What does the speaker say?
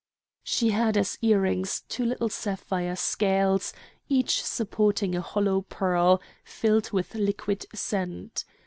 She had as earrings two little sapphire scales, each supporting a hollow pearl filled with liquid scent.